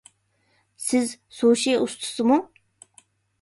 سىز سۇشى ئۇستىسىمۇ؟